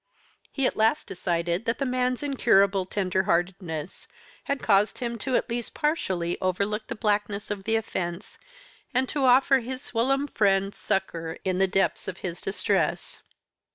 He at last decided that the man's incurable tender heartedness had caused him to at least partially overlook the blackness of the offence, and to offer his whilom friend succour in the depths of his distress.